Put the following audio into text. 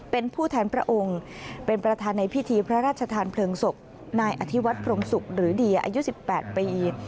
เป็นผู้แทนพระองค์เป็นประธานในพิธีพระราชทานเพลิงศพนายอธิวัฒน์พรมศุกร์หรือเดียอายุ๑๘ปี